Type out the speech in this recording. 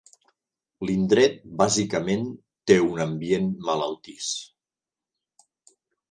L'indret bàsicament té un ambient malaltís.